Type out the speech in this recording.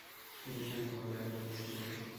তিনি একান্তভাবে আগ্রহী ছিলেন।